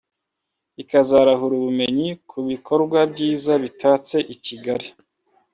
ikazarahura ubumenyi ku bikorwa byiza bitatse Kigali